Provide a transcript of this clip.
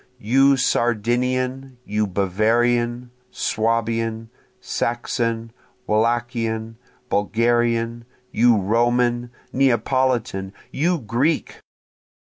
You Sardinian! you Bavarian! Swabian! Saxon! Wallachian! Bulgarian! You Roman! Neapolitan! you Greek!